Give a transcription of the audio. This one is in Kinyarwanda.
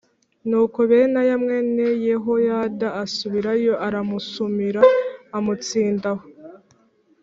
Nuko Benaya mwene Yehoyada asubirayo aramusumira amutsinda aho.